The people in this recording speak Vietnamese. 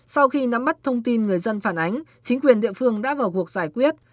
sau khi nắm bắt thông tin người dân phản ánh chính quyền địa phương đã vào cuộc giải quyết